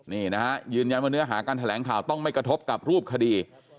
นี่นะฮะยืนยันว่าเนื้อหาการแถลงข่าวต้องไม่กระทบกับรูปคดี